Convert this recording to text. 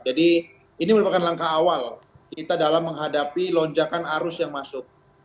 jadi ini merupakan langkah awal kita dalam menghadapi lonjakan arus yang masuk